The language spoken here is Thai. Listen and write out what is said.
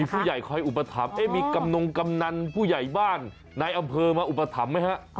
ผู้ใหญ่คอยอุปถัมภ์มีกำนงกำนันผู้ใหญ่บ้านนายอำเภอมาอุปถัมภ์ไหมฮะ